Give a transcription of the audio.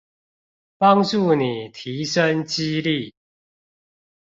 幫助你提升肌力